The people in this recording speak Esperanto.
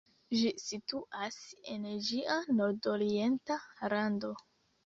Ĝi situas en ĝia nordorienta rando.